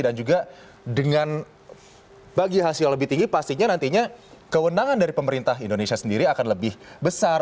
dan juga dengan bagi hasil yang lebih tinggi pastinya nantinya kewenangan dari pemerintah indonesia sendiri akan lebih besar